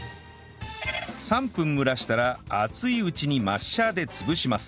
３分蒸らしたら熱いうちにマッシャーで潰します